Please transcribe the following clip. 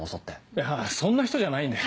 いやそんな人じゃないんで。